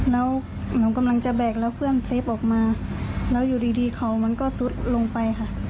แล้วหนูกำลังจะแบกแล้วเพื่อนเฟฟออกมาแล้วอยู่ดีเขามันก็ซุดลงไปค่ะ